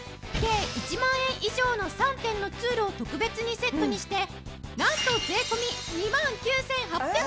計１万円以上の３点のツールを特別にセットにしてなんと税込２万９８００円！